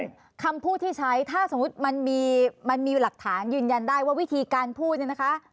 คำพูดที่ใช้ถ้าสมมุติมันมีหลักฐานยืนยันได้ว่าวิธีการพูดเนี่ยนะคะ